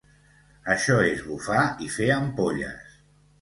Això és bufar i fer ampolles